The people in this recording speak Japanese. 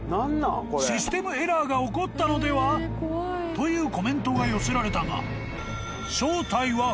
［というコメントが寄せられたが］